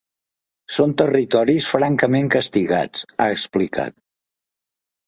Som territoris francament castigats, ha explicat.